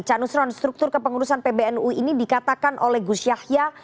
ca nusron struktur kepengurusan pbnu ini dikatakan oleh gus yahya